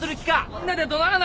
みんなでどならないで！